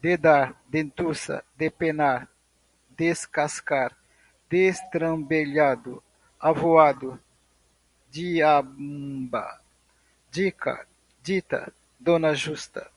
dedar, dentuça, depenar, descascar, destrambelhado, avoado, diamba, dicar, dita, dona justa